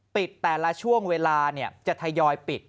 แต่ละช่วงเวลาจะทยอยปิด